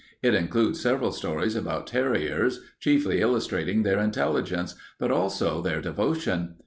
It includes several stories about terriers, chiefly illustrating their intelligence, but also their devotion.